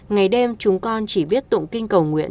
ngày đêm chúng con chỉ viết tụng kinh cầu nguyện